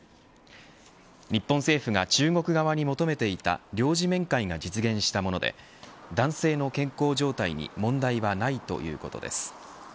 日本政府が中国側に求めていた領事面会が実現したもので男性の健康状態に問題はないということです。